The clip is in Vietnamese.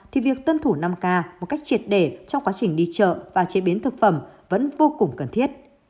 thì việc tuân thủ năm k một cách triệt để trong quá trình đi chợ và chế biến thực phẩm vẫn vô cùng cần thiết